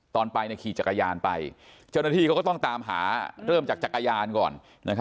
ตอนไปขี่จักรยานไปเจ้าหน้าที่เขาก็ต้องตามหาเริ่มจากจักรยานก่อน